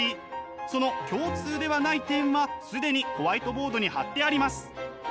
その共通ではない点は既にホワイトボードに貼ってあります。